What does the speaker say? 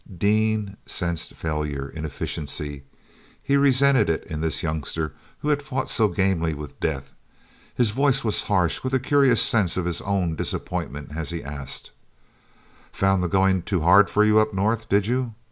ean sensed failure, inefficiency. He resented it in this youngster who had fought so gamely with death. His voice was harsh with a curious sense of his own disappointment as he asked: "Found the going too hard for you up north, did you?